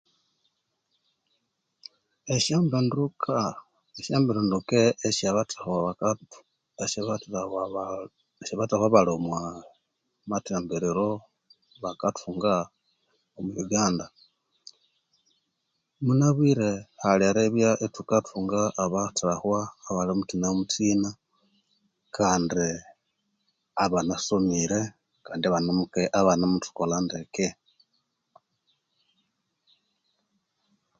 Esyombinduka esyombirinduke esyabathahwa bakatuu esyabathahwa baa esyabathahwa abali omwaa mathambiriro bakathunga omo Uganda munabwire hal eribya ithukathunga abathahwa abali muthina muthina kandi abanasomire kand abanemuthukolha ndeke